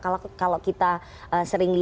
kalau kita sering lihat kasus kasus yang di uu